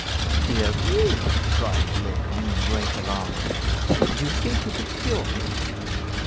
"Dear me!" cried Lin, in great alarm, "do you think you could cure me?"